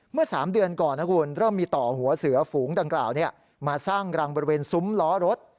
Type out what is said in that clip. เมื่อ๓เดือนก่อนนะคุณเริ่มมีต่อหัวเสือฝูงดังกล่าวมาสร้างรังบริเวณซุ้มล้อรถ